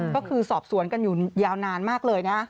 ก็คือสอบสวนกันอยู่ยาวนานมากเลยนะ